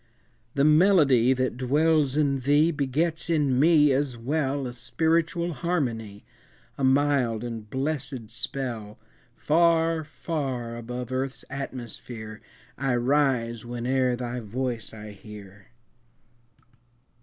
The melody that dwells in thee Begets in me as well A spiritual harmony, A mild and blessèd spell; Far, far above earth's atmosphere I rise, whene'er thy voice I hear.